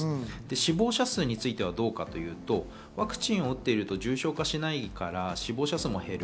死亡者数に関してはどうかというと、ワクチンを打っていると重症化しないから死亡者数も減る。